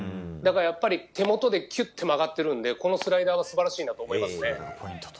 だから、やっぱり手元でキュッと曲がっているのでこのスライダーは素晴らしいと思います。